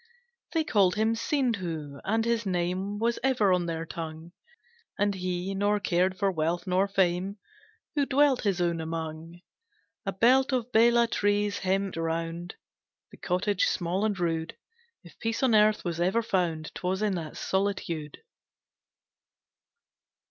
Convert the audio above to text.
They called him Sindhu, and his name Was ever on their tongue, And he, nor cared for wealth nor fame, Who dwelt his own among. A belt of Bela trees hemmed round The cottage small and rude, If peace on earth was ever found 'Twas in that solitude.